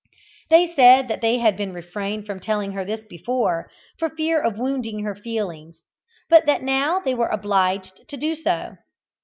They said that they had refrained from telling her this before, for fear of wounding her feelings, but that now they were obliged to do so.